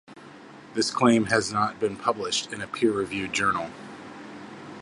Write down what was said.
This claim has not been published in a peer reviewed journal.